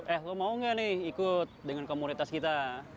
eh gue mau gak nih ikut dengan komunitas kita